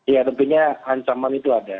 ya tentunya ancaman itu ada